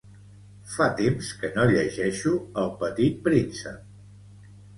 fa temps que no llegeixo el petit príncep